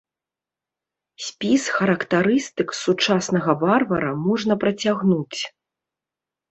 Спіс характарыстык сучаснага варвара можна працягнуць.